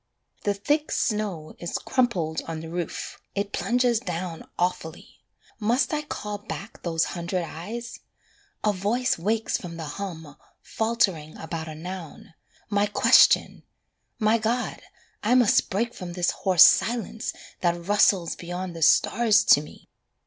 The thick snow is crumpled on the roof, it plunges down Awfully. Must I call back those hundred eyes? A voice Wakes from the hum, faltering about a noun My question! My God, I must break from this hoarse silence That rustles beyond the stars to me.